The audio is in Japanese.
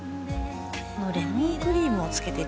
レモンクリームを付けて。